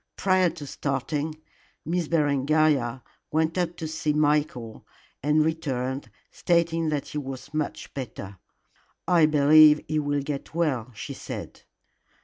Prior to starting, Miss Berengaria went up to see Michael, and returned stating that he was much better. "I believe he will get well," she said.